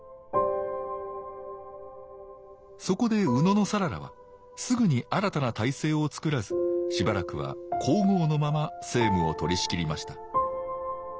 そこで野讃良はすぐに新たな体制をつくらずしばらくは皇后のまま政務を取りしきりました。